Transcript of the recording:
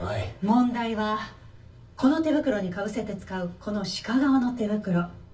問題はこの手袋にかぶせて使うこの鹿革の手袋。